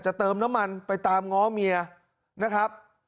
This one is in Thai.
เติมน้ำมันไปตามง้อเมียนะครับ